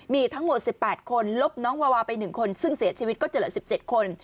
มีทั้งหมด๑๘คนลบน้องวาวาไป๑คนซึ่งเสียชีวิตก็จะเหลือ๑๗คน